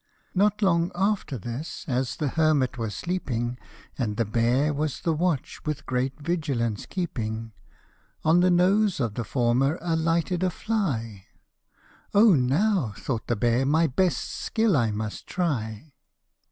Not long after this, as the hermit was sleeping, And the bear was the watch with great vigilance keep ing; On the nose of the former alighted a fly ;" O now," thought the bear, " my best skill I must try."